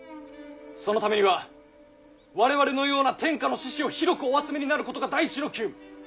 そのためには我々のような天下の志士を広くお集めになることが第一の急務。